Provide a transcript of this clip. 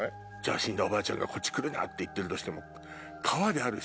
死んだおばあちゃんが「来るな」って言ってるとしても。